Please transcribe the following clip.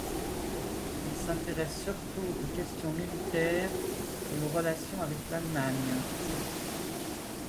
Il s'intéresse surtout aux questions militaires et aux relations avec l'Allemagne.